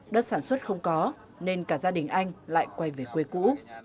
đất sản xuất không có nên cả gia đình anh lại quay về quê cũ